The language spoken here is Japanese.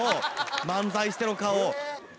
漫才してる顔。